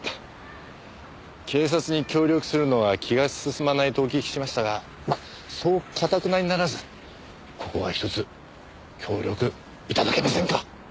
警察に協力するのは気が進まないとお聞きしましたがまあそう頑なにならずここはひとつ協力頂けませんか？